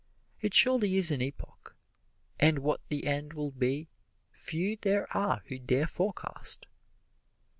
It surely is an epoch, and what the end will be few there are who dare forecast.